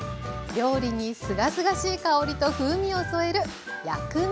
料理にすがすがしい香りと風味を添える薬味。